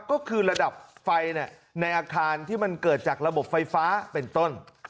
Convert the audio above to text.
ก็คือระดับไฟในอาคารที่มันเกิดจากระบบไฟฟ้าเป็นต้น